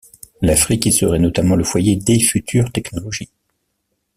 L'Afrique y serait notamment le foyer des futures technologies.